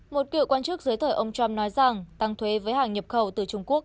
một cựu quan chức giới thổi ông trump nói rằng tăng thuế với hàng nhập khẩu từ trung quốc